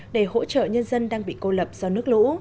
để hỗ trợ nhân dân đang bị cô lập do nước lũ